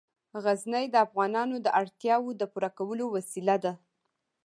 غزني د افغانانو د اړتیاوو د پوره کولو وسیله ده.